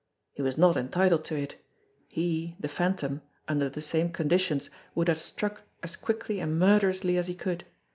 He was not entitled to it; he, the Phantom, under the same conditions would have struck as quickly and murderously as he could.